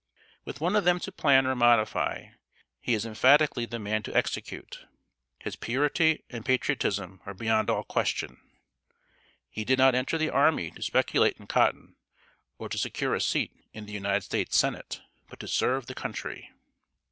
With one of them to plan or modify, he is emphatically the man to execute. His purity and patriotism are beyond all question. He did not enter the army to speculate in cotton, or to secure a seat in the United States Senate, but to serve the country.